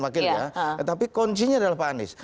wakilnya tetapi kuncinya adalah pak anies